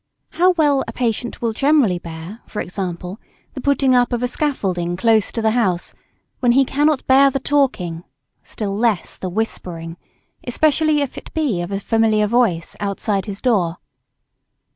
How well a patient will generally bear, e. g., the putting up of a scaffolding close to the house, when he cannot bear the talking, still less the whispering, especially if it be of a familiar voice, outside his door.